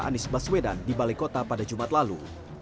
anies baswedan di balai kota pada jumat lalu